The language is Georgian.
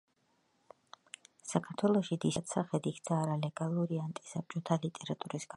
საქართველოში დისიდენტური ბრძოლის ძირითად სახედ იქცა არალეგალური ანტისაბჭოთა ლიტერატურის გავრცელება.